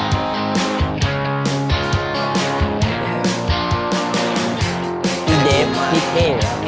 พี่เดมพี่เท่